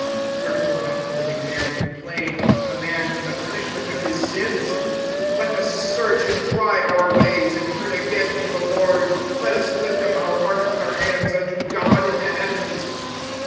25:003:039 Wherefore doth a living man complain, a man for the punishment of his sins? 25:003:040 Let us search and try our ways, and turn again to the LORD. 25:003:041 Let us lift up our heart with our hands unto God in the heavens.